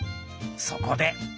そこで。